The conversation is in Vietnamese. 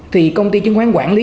thì công ty chứng khoán quản lý